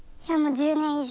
１０年以上。